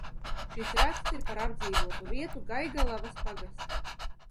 Šis raksts ir par apdzīvotu vietu Gaigalavas pagastā.